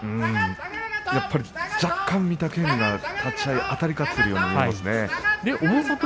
若干、御嶽海が立ち合い、あたり勝っているように見えますね。